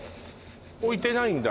置いてないんだ